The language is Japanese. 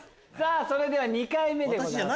それでは２回目でございます